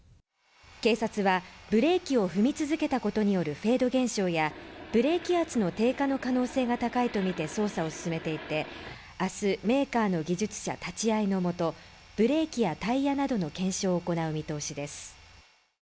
警察はブレーキを踏み続けたことによるフェード現象やブレーキ圧の低下の可能性が高いと見て捜査を進めていて明日メーカーの技術者立ち会いのもとブレーキやタイヤなどの検証を行う見通しです